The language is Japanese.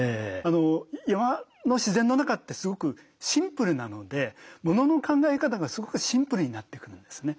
山の自然の中ってすごくシンプルなのでものの考え方がすごくシンプルになってくるんですね。